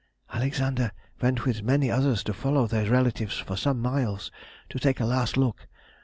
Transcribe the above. Alexander went with many others to follow their relatives for some miles to take a last look.